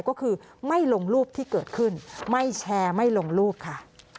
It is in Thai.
ก็คือไม่ลงรูปที่เกิดขึ้นไม่แชร์ไม่ลงรูปค่ะ